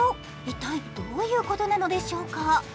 一体どういうことなのでしょうか。